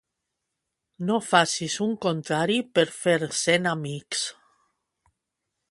No facis un contrari per fer cent amics.